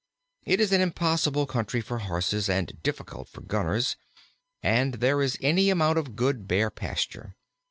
It is an impossible country for horses, and difficult for gunners, and there is any amount of good Bear pasture.